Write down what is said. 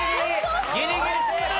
ギリギリセーフ！